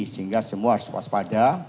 sehingga semua swaspada